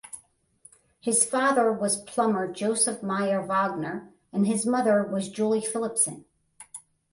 His father was plumber Joseph Meyer Wagner and his mother was Julie Philipsen.